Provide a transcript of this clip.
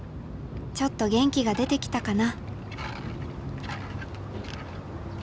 ちょっと元気が出てきたかな？